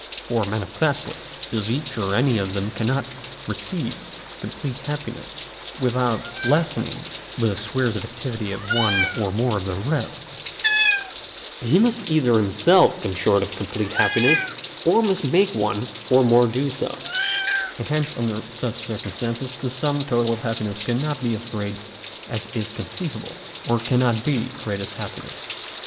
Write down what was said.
For manifestly, if each or any of them cannot receive complete happiness without lessening the spheres of activity of one or more of the rest, he must either himself come short of complete happiness, or must make one or more do so ; and hence under such circumstances, the sum total of happiness cannot be as great as is conceivable, or cannot be greatest happiness.